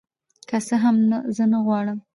که څه هم زه نغواړم